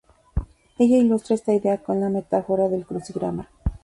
Ella ilustra esta idea con la metáfora del crucigrama.